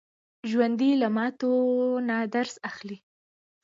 ژوندي له ماتو نه درس اخلي